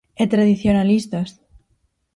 E tradicionalistas.